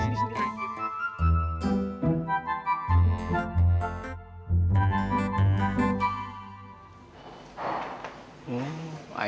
ayah kemana sih ini